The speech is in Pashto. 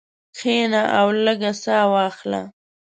کښېنه او لږه ساه واخله.